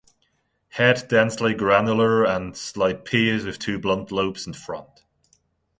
Head densely granular and clypeus with two blunt lobes in front.